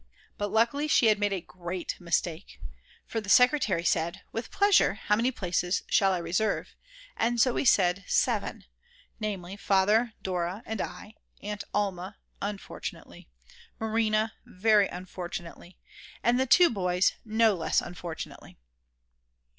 But luckily she had made a great mistake. For the secretary said: With pleasure; how many places shall I reserve? and so we said: 7; namely, Father, Dora, and I, Aunt Alma (unfortunately), Marina (very unfortunately), and the two boys (no less unfortunately).